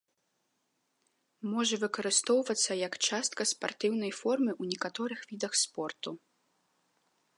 Можа выкарыстоўвацца як частка спартыўнай формы ў некаторых відах спорту.